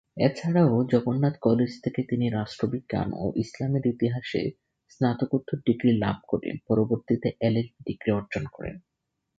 এছাড়া ও জগন্নাথ কলেজ থেকে তিনি রাষ্ট্রবিজ্ঞান ও ইসলামের ইতিহাসে স্নাতকোত্তর ডিগ্রি লাভ করে পরবর্তীতে এলএলবি ডিগ্রী অর্জন করেন।